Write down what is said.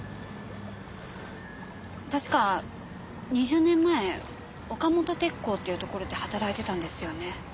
たしか２０年前岡本鉄工っていうところで働いてたんですよね。